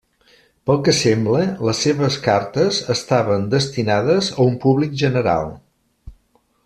Pel que sembla, les seves cartes estaven destinades a un públic general.